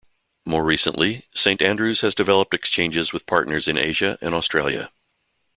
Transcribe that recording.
More recently, Saint Andrews has developed exchanges with partners in Asia and Australia.